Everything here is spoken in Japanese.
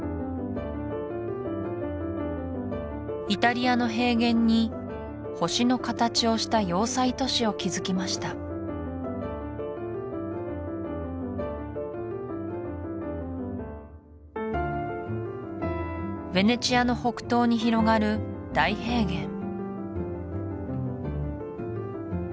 イタリアの平原に星の形をした要塞都市を築きましたヴェネツィアの北東に広がる大平原